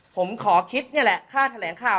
ผมขอคิดนี่แหละค่าแถลงข่าว